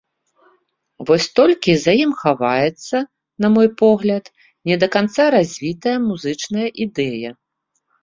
Вось толькі за ім хаваецца, на мой погляд, не да канца развітая музычная ідэя.